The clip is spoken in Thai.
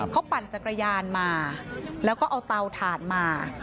เขาปั่นจักรยานมาแล้วก็เอาเตาถ่านมา